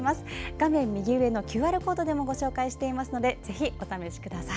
画面右上のＱＲコードでもご紹介していますのでぜひお試しください。